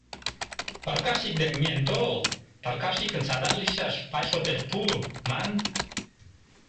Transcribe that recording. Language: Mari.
Пыркашик дек миен тол, пыркашикын садак лийшаш — пай шотеш пу, ман...